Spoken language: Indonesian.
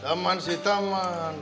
taman si taman